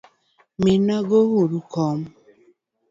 Minago uru kom.